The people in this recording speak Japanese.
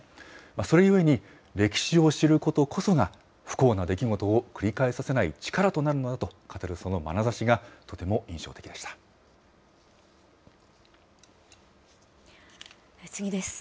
それ故に、歴史を知ることこそが、不幸な出来事を繰り返させない力となるのだと語るそのまなざしが、次です。